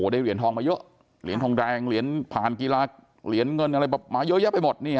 ได้เหรียญทองมาเยอะเหรียญทองแดงเหรียญผ่านกีฬาเหรียญเงินอะไรแบบมาเยอะแยะไปหมด